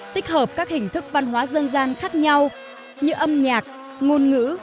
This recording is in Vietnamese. tích hợp các hình thức văn hóa dân gian khác nhau như âm nhạc ngôn ngữ